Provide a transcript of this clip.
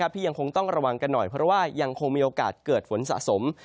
ที่ยังคงต้องระวังกันหน่อยเพราะว่ายังคงมีโอกาสเกิดฝนสะสม